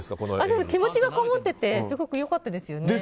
気持ちがこもっててすごく良かったですよね。